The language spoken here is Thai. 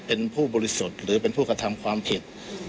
เป็นผู้บริสุทธิ์หรือเป็นผู้กระทำความผิด